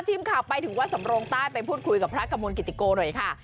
ทีมข่าวไปถึงวัดสำโรงใต้ไปพูดคุยกับพระกระมวลกิติโกหน่อยค่ะ